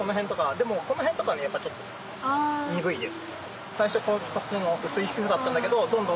でもこの辺とかはちょっと鈍いです。